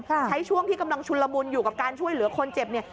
ใช้ช่วงที่กำลังชุนละมุนอยู่กับการช่วยเหลือคนเจ็บเนี่ย